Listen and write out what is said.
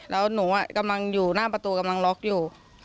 แล้วหนูกำลังอยู่หน้าประตูกำลังล็อกอยู่